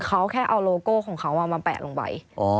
เขาแค่เอาโลโก้ของเขามาแปะลงไป